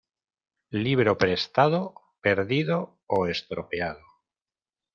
Libro prestado, perdido o estropeado.